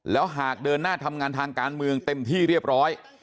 แล้วหากเดินหน้าทำงานทางการเมืองเต็มที่เรียบร้อย